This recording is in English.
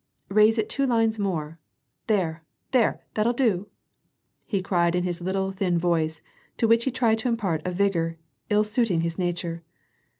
" Raise it two lines more, there, there ! that'll do," he cried in his little, thin voice, to which he tried to impart a vigor ill suiting his stature.